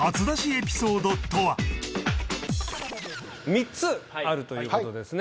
３つあるということですね